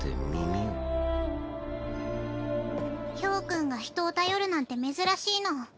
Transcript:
豹君が人を頼るなんて珍しいの。